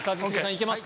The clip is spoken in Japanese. いけます！